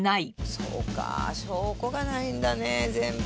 そうか証拠がないんだね全部。